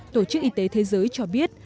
tổ chức y tế thế giới cho biết